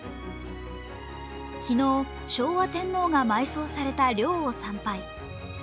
昨日、昭和天皇が埋葬された陵を参拝。